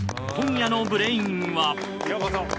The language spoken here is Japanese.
今夜のブレインはようこそ。